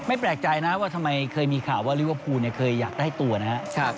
ไม่แปลกใจนะว่าทำไมเคยมีข่าวว่าเรียกว่าภูลเนี่ยเคยอยากได้ตัวนะครับ